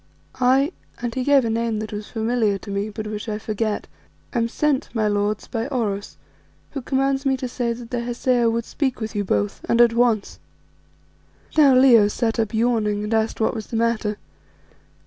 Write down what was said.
"I" and he gave a name that was familiar to me, but which I forget "am sent, my lords, by Oros, who commands me to say that the Hesea would speak with you both and at once." Now Leo sat up yawning and asked what was the matter.